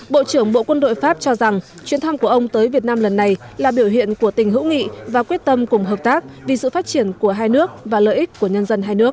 bộ trưởng bộ quân đội pháp cho rằng chuyến thăm của ông tới việt nam lần này là biểu hiện của tình hữu nghị và quyết tâm cùng hợp tác vì sự phát triển của hai nước và lợi ích của nhân dân hai nước